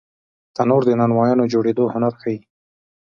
تنور د نانونو جوړېدو هنر ښيي